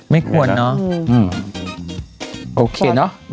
ไม่ควรเนอะโอเคเนอะ